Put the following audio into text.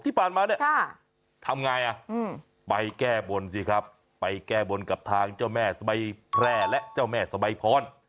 ที่ผ่านมาเนี่ยทำไงไปแก้บนสิครับไปแก้บนกับทางเจ้าแม่สบายแพร่และเจ้าแม่สบายพร